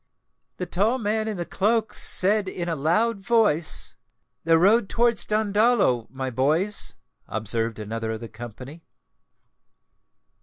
"The tall man in the cloak said in a loud voice, 'The road towards Dandolo, my boys!'" observed another of the company.